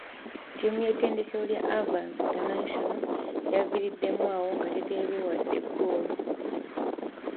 Ttiimu y'ettendekero lya Avance International yaviiriddemu awo nga teteebyeyo wadde ggoolo.